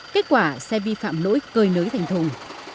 kết quả xe vi phạm lỗi cơi nới thành thùng